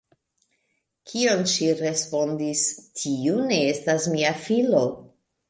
Kion ŝi respondis:"Tiu ne estas mia filo!